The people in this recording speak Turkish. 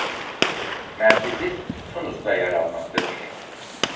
Merkezi Tunus'ta yer almaktadır.